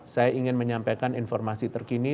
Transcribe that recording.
saya ingin menyampaikan informasi terkini